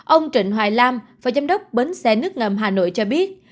ông trịnh hoài nam phó giám đốc bến xe nước ngầm hà nội cho biết